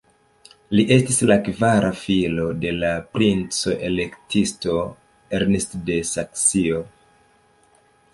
Li estis la kvara filo de la princo-elektisto Ernst de Saksio.